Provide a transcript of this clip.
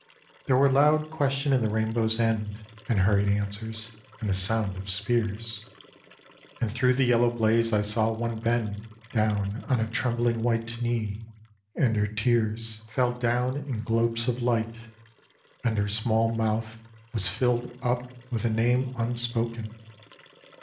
There were loud questions in the rainbow's end, And hurried answers, and a sound of spears. And through the yellow blaze I saw one bend Down on a trembling white knee, and her tears Fell down in globes of light, and her small mouth Was filled up with a name unspoken.